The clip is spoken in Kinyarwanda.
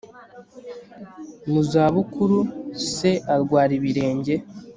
mu za bukuru se arwara ibirenge